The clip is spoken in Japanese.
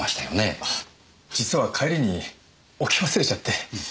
あ実は帰りに置き忘れちゃって。